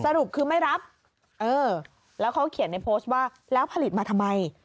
สรุปคือไม่รับเออแล้วเขาเขียนในโพสต์ว่าแล้วผลิตมาทำไม